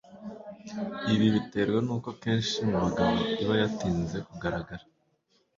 Ibi biterwa nuko kenshi mu bagabo iba yatinze kugaragara.